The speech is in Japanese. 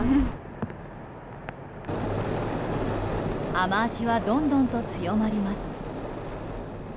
雨脚はどんどんと強まります。